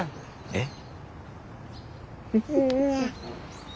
えっ？